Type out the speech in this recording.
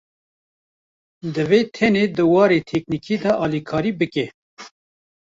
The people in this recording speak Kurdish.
Divê tenê di warê teknîkî de alîkarî bike